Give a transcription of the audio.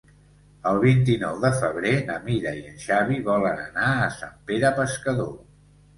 El vint-i-nou de febrer na Mira i en Xavi volen anar a Sant Pere Pescador.